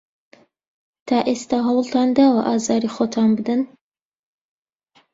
تا ئێستا هەوڵتان داوە ئازاری خۆتان بدەن؟